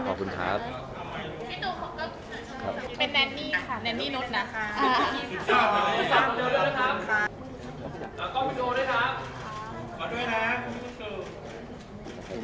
เป็นนานนี่นุดนะครับ